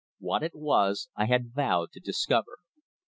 What it was I had vowed to discover.